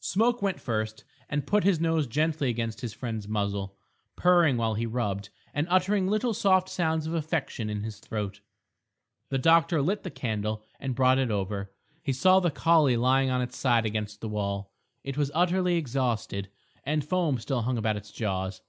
Smoke went first and put his nose gently against his friend's muzzle, purring while he rubbed, and uttering little soft sounds of affection in his throat. The doctor lit the candle and brought it over. He saw the collie lying on its side against the wall; it was utterly exhausted, and foam still hung about its jaws.